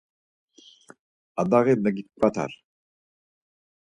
Adaği megiǩvatar.